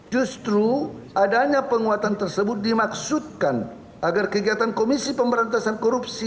justru adanya penguatan tersebut dimaksudkan agar kegiatan komisi pemberantasan korupsi